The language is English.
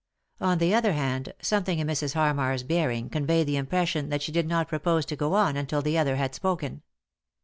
On the other hand, something in Mrs. Harmar's bearing conveyed the impression that she did not propose to go on until the other had spoken.